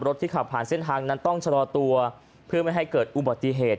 ที่ขับผ่านเส้นทางนั้นต้องชะลอตัวเพื่อไม่ให้เกิดอุบัติเหตุ